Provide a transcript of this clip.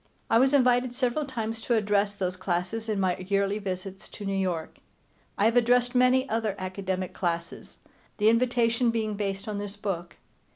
I was invited several times to address those classes on my yearly visits to New York. I have addressed many other academic classes, the invitation being based on this book.